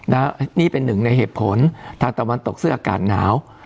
และนี่เป็นหนึ่งในเหตุผลทางตะวันตกซึ่งอากาศหนาว